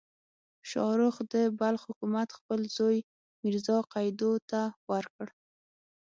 شاهرخ د بلخ حکومت خپل زوی میرزا قیدو ته ورکړ.